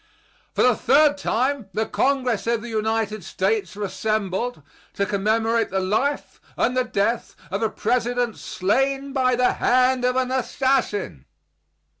For the third time the Congress of the United States are assembled to commemorate the life and the death of a president slain by the hand of an assassin.